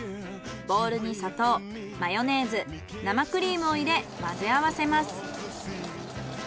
ボウルに砂糖・マヨネーズ・生クリームを入れ混ぜ合わせます。